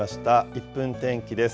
１分天気です。